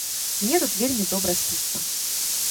Мне тут вельмі добра спіцца.